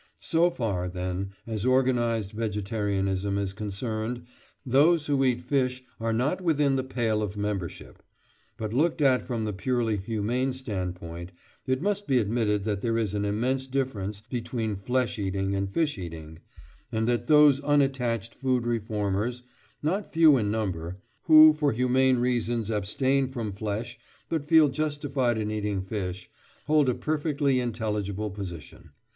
So far, then, as organised vegetarianism is concerned, those who eat fish are not within the pale of membership; but looked at from the purely humane standpoint, it must be admitted that there is an immense difference between flesh eating and fish eating, and that those unattached food reformers, not few in number, who for humane reasons abstain from flesh, but feel justified in eating fish, hold a perfectly intelligible position.